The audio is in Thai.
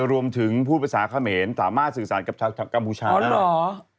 รวมถึงผู้ประสาขเมรสามารถสื่อสารกับกัมพูชานะ